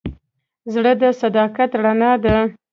زړه د صداقت رڼا ده.